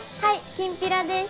きんぴらです！